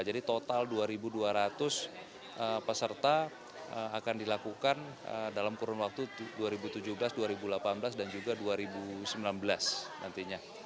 jadi total dua ribu dua ratus peserta akan dilakukan dalam kurun waktu dua ribu tujuh belas dua ribu delapan belas dan juga dua ribu sembilan belas nantinya